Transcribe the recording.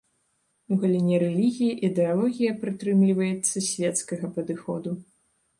У галіне рэлігіі ідэалогія прытрымліваецца свецкага падыходу.